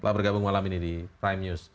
telah bergabung malam ini di prime news